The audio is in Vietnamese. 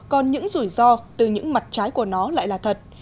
còn những rủi ro từ những mặt trái của nó lại là thật